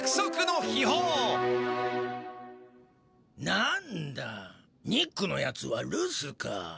なんだニックのやつはるすか。